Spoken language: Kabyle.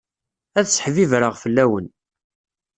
Ad seḥbibreɣ fell-awen.